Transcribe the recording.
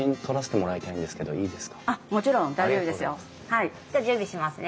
はいじゃあ準備しますね。